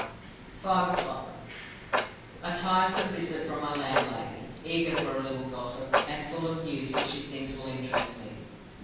"Five o'clock. A tiresome visit from my landlady; eager for a little gossip, and full of news which she thinks will interest me.